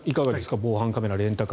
防犯カメラ、レンタカー